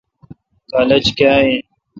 کالج کاں این۔